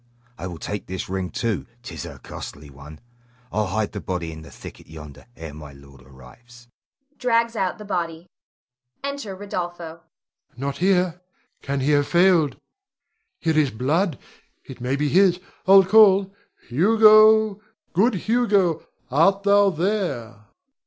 I will take this ring too; 'tis a costly one. I'll hide the body in the thicket yonder, ere my lord arrives [drags out the body]. [Enter Rodolpho. Rod. Not here? Can he have failed? Here is blood it may be his. I'll call. Hugo, good Hugo, art thou here?